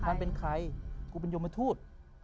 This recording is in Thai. มันเป็นใครกูเป็นยมทูต